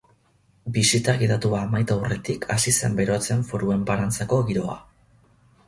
Bisita gidatua amaitu aurretik hasi zen berotzen Foru Enparantzako giroa.